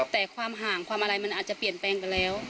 แต่ความห่างความอะไรมันอาจจะเปลี่ยนแปลงไปแล้ว